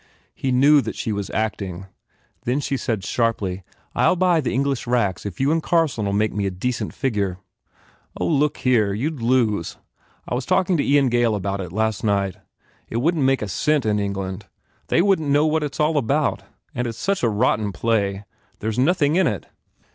He knew that she was acting. Then she said sharply, "I ll buy the English rights 72 FULL BLOOM if you and Carlson ll make me a decent figure." "Oh, look here! You d lose. I was talking to Ian Gail about it, last night. It wouldn t make a cent in England. They wouldn t know what it s all about. And it s such a rotten play ! There s nothing in it!"